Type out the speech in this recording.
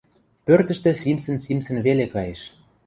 Пӧртӹштӹ симсӹн-симсӹн веле каеш.